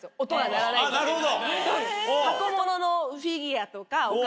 なるほど。